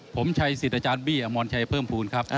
ผมชัยสิจันบิอะมรชายเปิ้มพอุญครับ